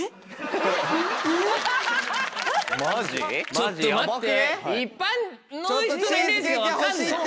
ちょっと待って。